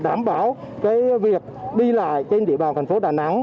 đảm bảo cái việc đi lại trên địa bàn thành phố đà nẵng